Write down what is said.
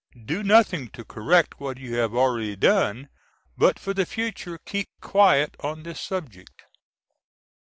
Do nothing to correct what you have already done but for the future keep quiet on this subject.